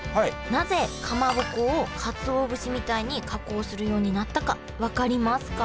なぜかまぼこをかつお節みたいに加工するようになったか分かりますか？